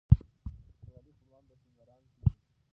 د ملالۍ خپلوان په سینګران کې وو.